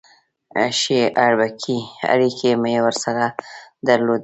ښې اړیکې مې ورسره درلودې.